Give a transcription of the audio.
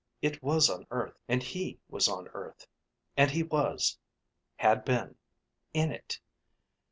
It was on earth, and he was on earth, and he was had been in it.